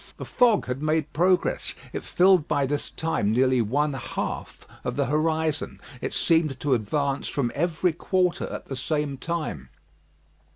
The fog had made progress. It filled by this time nearly one half of the horizon. It seemed to advance from every quarter at the same time.